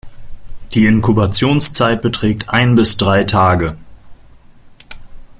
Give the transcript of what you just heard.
Die Inkubationszeit beträgt ein bis drei Tage.